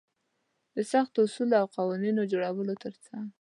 د سختو اصولو او قوانينونو د جوړولو تر څنګ.